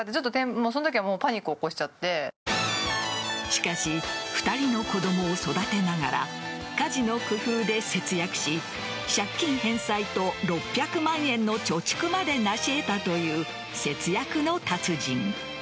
しかし２人の子供を育てながら家事の工夫で節約し借金返済と６００万円の貯蓄まで成し得たという節約の達人。